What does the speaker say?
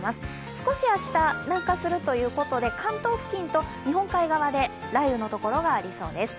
少し明日、南下するということで、関東付近と日本海側で雷雨のところがありそうです。